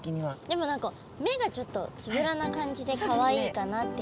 でも何か目がちょっとつぶらな感じでかわいいかなっていう。